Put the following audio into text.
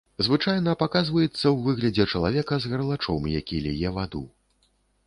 Звычайна паказваецца ў выглядзе чалавека з гарлачом, які ліе ваду.